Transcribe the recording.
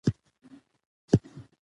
پوخوالی د تجربې له لارې راځي.